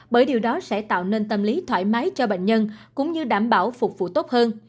bởi điều đó sẽ tạo nên tâm lý thoải mái cho bệnh nhân cũng như đảm bảo phục vụ tốt hơn